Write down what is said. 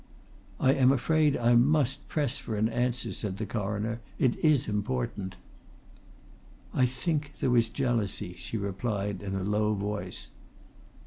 "I am afraid I must press for an answer," said the Coroner, "it is important." "I think there was jealousy," she replied in a low voice.